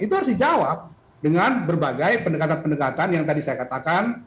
itu harus dijawab dengan berbagai pendekatan pendekatan yang tadi saya katakan